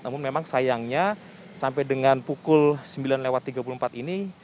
namun memang sayangnya sampai dengan pukul sembilan tiga puluh empat ini